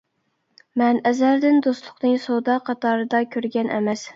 مەن ئەزەلدىن دوستلۇقنى سودا قاتارىدا كۆرگەن ئەمەس.